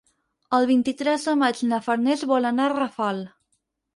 El vint-i-tres de maig na Farners vol anar a Rafal.